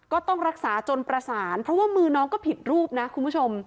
ก็ต้องรักษาจนประสานเพราะว่ามือน้องก็ผิดรูปนะคุณผู้ชม